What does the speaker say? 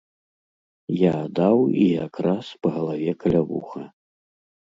Я даў і якраз па галаве каля вуха.